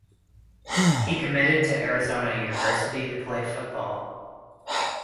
He committed to Arizona University to play football.